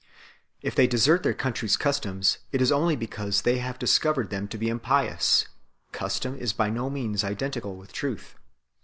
If they desert their country s customs, it is only because they have discovered them to be impious ; custom is by no means identical with truth 2